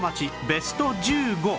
ベスト１５